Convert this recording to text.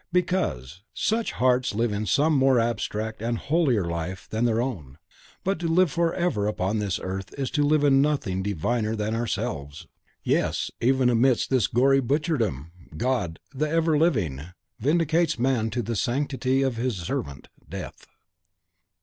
because such HEARTS LIVE IN SOME MORE ABSTRACT AND HOLIER LIFE THAN THEIR OWN. BUT TO LIVE FOREVER UPON THIS EARTH IS TO LIVE IN NOTHING DIVINER THAN OURSELVES. Yes, even amidst this gory butcherdom, God, the Ever living, vindicates to man the sanctity of His servant, Death!